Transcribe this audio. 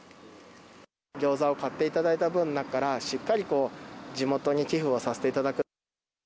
餃子を買っていただいた分の中から、しっかり地元に寄付をさせていただく。